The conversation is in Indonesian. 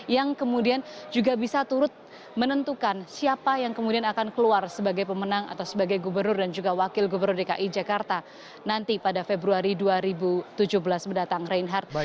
yang kemudian juga bisa turut menentukan siapa yang kemudian akan keluar sebagai pemenang atau sebagai gubernur dan juga wakil gubernur dki jakarta nanti pada februari dua ribu tujuh belas mendatang reinhardt